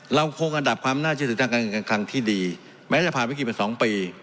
เราคงอันดับความน่าเชื่อถือทางการเงินการคังที่ดีแม้จะผ่านวิกฤตไป๒ปี